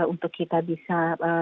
untuk kita bisa